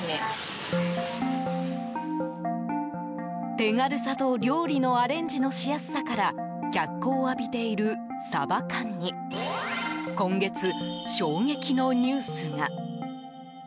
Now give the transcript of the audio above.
手軽さと料理のアレンジのしやすさから脚光を浴びているサバ缶に今月、衝撃のニュースが。